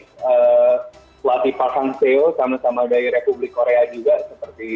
pelatih pak sang seo sama sama dari republik korea juga